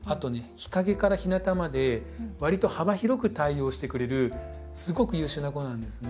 日陰から日なたまでわりと幅広く対応してくれるすごく優秀な子なんですね。